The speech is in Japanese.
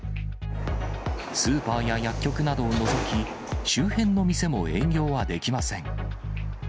スーパーや薬局などを除き、周辺の店も営業はできません。